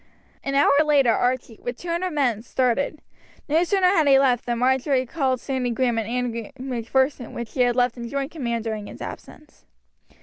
An hour later Archie, with two hundred men, started. No sooner had he left than Marjory called Sandy Grahame and Andrew Macpherson, whom he had left in joint command during his absence.